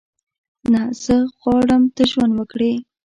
نه، زه غواړم ته ژوند وکړې.